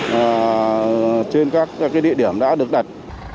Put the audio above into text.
và trên các cái địa điểm đã được đặt